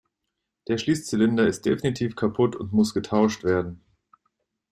Der Schließzylinder ist definitiv kaputt und muss getauscht werden.